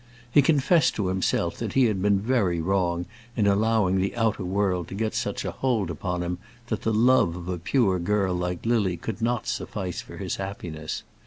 He confessed to himself that he had been very wrong in allowing the outer world to get such a hold upon him that the love of a pure girl like Lily could not suffice for his happiness.